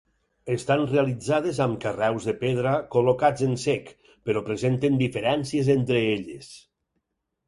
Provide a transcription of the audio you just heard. Estan realitzades amb carreus de pedra col·locats en sec, però presenten diferències entre elles.